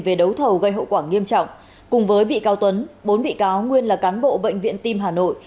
về đấu thầu gây hậu quả nghiêm trọng cùng với bị cáo tuấn bốn bị cáo nguyên là cán bộ bệnh viện tim hà nội